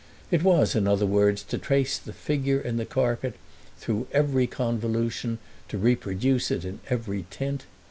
It was in other words to trace the figure in the carpet through every convolution, to reproduce it in every tint.